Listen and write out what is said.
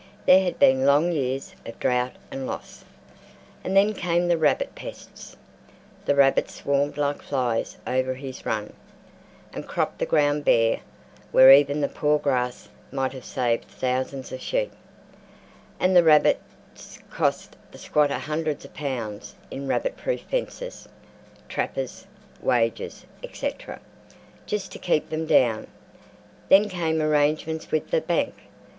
There had been long years of drought and loss, and then came the rabbit pest—the rabbits swarmed like flies over his run, and cropped the ground bare where even the poor grass might have saved thousands of sheep—and the rabbits cost the squatter hundreds of pounds in "rabbit proof" fences, trappers' wages, etc., just to keep them down. Then came arrangements with the bank.